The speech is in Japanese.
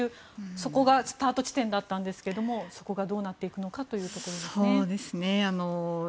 そこがスタート地点だったんですけれどもそこがどうなっていくのかということのようですね。